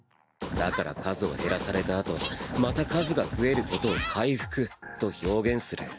だから数を減らされたあとまた数が増えることを「回復」と表現する。